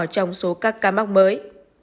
trong số các ca mắc mới